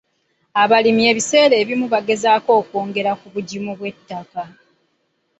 Abalimi ebiseera ebimu bagezaako okwongera ku bugimu bw'ettaka.